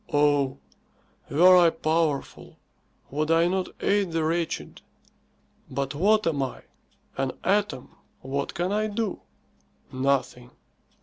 "Oh; were I powerful, would I not aid the wretched? But what am I? An atom. What can I do? Nothing."